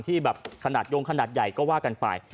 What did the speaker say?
ที่แบบขนาดยงขนาดใหญ่ก็ว่ากันไป